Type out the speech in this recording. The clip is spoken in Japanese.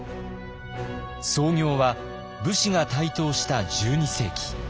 創業は武士が台頭した１２世紀。